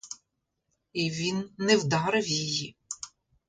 І він не вдарив її.